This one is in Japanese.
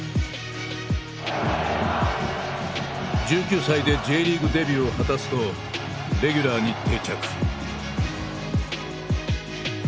１９歳でＪリーグデビューを果たすとレギュラーに定着。